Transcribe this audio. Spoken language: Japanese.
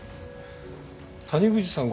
谷口さん